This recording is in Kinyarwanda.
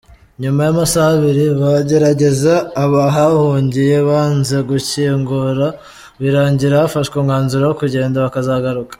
Nyuma y’amasaha abiri bagerageza, abahahungiye banze gukingura birangira hafashwe umwanzuro wo kugenda bakazagaruka.